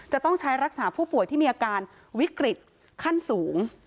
จะต้องใช้รักษาผู้ป่วยที่มีอาการวิกฤตขั้นสูง